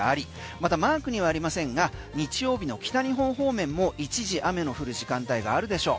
またマークにはありませんが日曜日の北日本方面も一時、雨の降る時間帯があるでしょう。